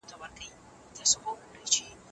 هغه خلګ چي په کلیو کي اوسېږي ساده ژوند لري.